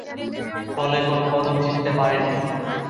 ফলে কোনো পদক জিততে পারেননি।